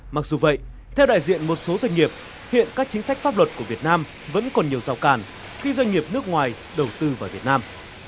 mặc dù vậy theo đại diện một số doanh nghiệp hiện các chính sách pháp luật của việt nam vẫn còn nhiều rào càn khi doanh nghiệp nước ngoài đầu tư vào việt nam